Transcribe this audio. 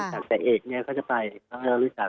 แต่เอกเนี่ยเขาจะไปเขาจะรู้จัก